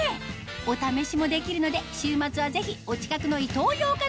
お試しもできるので週末はぜひお近くのイトーヨーカドーへ